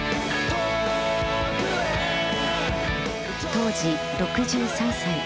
当時６３歳。